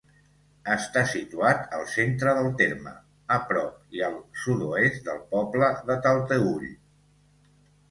Està situat al centre del terme, a prop i al sud-oest del poble de Talteüll.